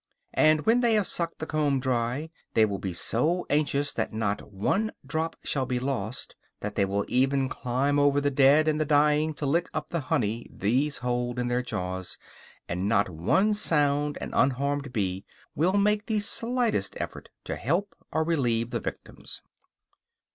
And when they have sucked the comb dry, they will be so anxious that not one drop shall be lost, that they will even climb over the dead and the dying to lick up the honey these hold in their jaws, and not one sound and unharmed bee will make the slightest effort to help or relieve the victims.